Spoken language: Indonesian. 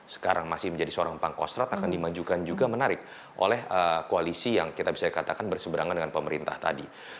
sekarang masih menjadi seorang pangkostrat akan dimajukan juga menarik oleh koalisi yang kita bisa katakan berseberangan dengan pemerintah tadi